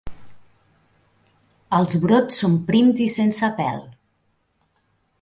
Els brots són prims i sense pèl.